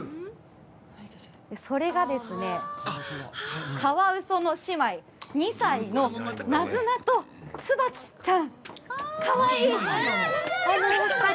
それがですね、カワウソの姉妹、２歳のナズナとツバキちゃん。